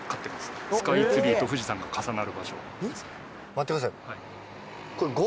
待ってください